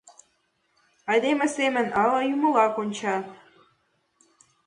Айдеме семын але Юмыла конча?..